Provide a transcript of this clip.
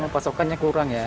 pasokannya kurang ya